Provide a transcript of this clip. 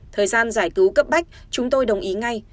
thời gian giải cứu cấp bách chúng tôi đồng ý ngay